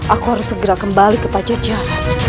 aku harus segera kembali ke pajajah